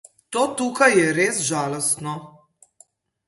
To tukaj je res žalostno.